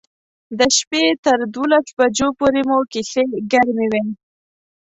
د شپې تر دولس بجو پورې مو کیسې ګرمې وې.